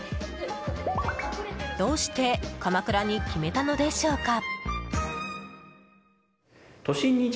どうして鎌倉に決めたのでしょうか？